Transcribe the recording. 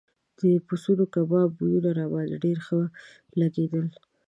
د پسونو کبابو بویونه راباندې ډېر ښه لګېدل.